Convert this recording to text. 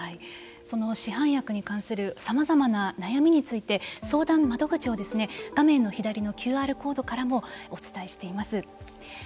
その市販薬に関するさまざまな悩みについて相談窓口を画面の左のＱＲコードからもお伝えしています。